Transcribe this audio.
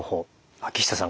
秋下さん